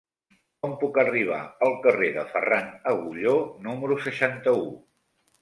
Com puc arribar al carrer de Ferran Agulló número seixanta-u?